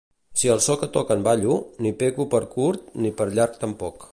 Si al so que toquen ballo, ni peco per curt, ni per llarg tampoc.